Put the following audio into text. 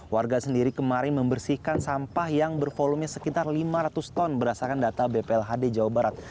warga sendiri kemarin membersihkan sampah yang bervolume sekitar lima ratus ton berdasarkan data bplhd jawa barat